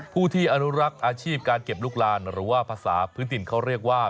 ผู้ที่อนุรักษ์อาชีพการเก็บลูกลานหรือว่าภาษาพื้นถิ่นเขาเรียกว่า